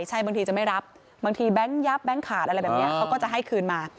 ใช่บางทีจะไม่รับบางทีแบงค์ยับแบงค์ขาดอะไรแบบนี้เขาก็จะให้คืนมา